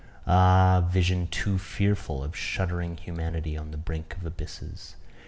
Ah, vision too fearful of shuddering humanity on the brink of abysses!